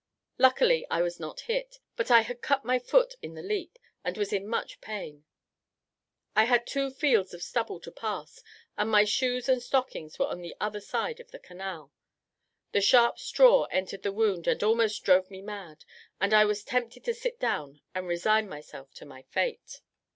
Luckily I was not hit, but I had cut my foot in the leap, and was in much pain. I had two fields of stubble to pass, and my shoes and stockings were on the other side of the canal the sharp straw entered the wound, and almost drove me mad, and I was tempted to sit down and resign myself to my fate.